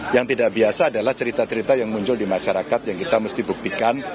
yang tidak biasa adalah cerita cerita yang muncul di masyarakat yang kita mesti buktikan